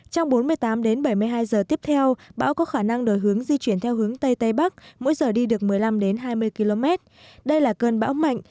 trong bốn mươi tám đến bảy mươi hai giờ tiếp theo bão có khả năng đổi hướng di chuyển theo hướng tây tây bắc mỗi giờ đi được một mươi năm hai mươi km đây là cơn bão mạnh